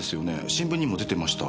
新聞にも出てました。